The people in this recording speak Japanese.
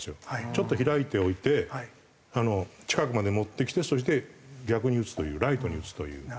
ちょっと開いておいて近くまで持ってきてそして逆に打つというライトに打つという。